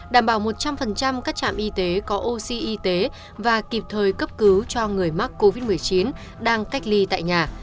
đảm bảo một trăm linh các trạm y tế có oxy y tế và kịp thời cấp cứu cho người mắc covid một mươi chín đang cách ly tại nhà